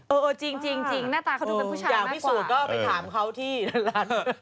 เออจริงหน้าตาเขาดูเป็นผู้ชายมากกว่าอย่างที่สุดก็ไปถามเขาที่ร้านที่